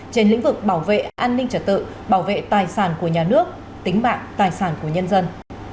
trên lĩnh vực bảo vệ an ninh trật tự bảo vệ tài sản của nhà nước tính mạng tài sản của nhân dân